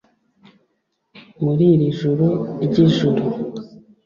muri iri juru ry’ijuri